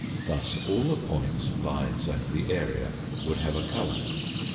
Thus all the points, lines, and the area would have a colour.